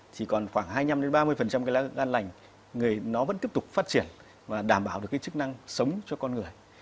chỉ còn khoảng hai năm đến ba mươi cái gan lành nó vẫn tiếp tục phát triển và đảm bảo được cái chức năng sống cho con người